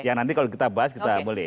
ya nanti kalau kita bahas kita boleh